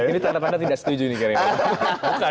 ini tanda tanda tidak setuju nih karyawan